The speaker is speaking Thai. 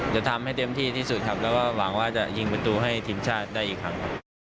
จะทำให้เต็มที่ที่สุดครับแล้วก็หวังว่าจะยิงประตูให้ทีมชาติได้อีกครั้ง